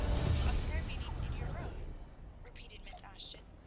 "A prayer meeting in your room?" repeated Miss Ashton.